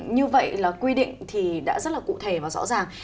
như vậy là quy định thì đã rất là cụ thể và rõ ràng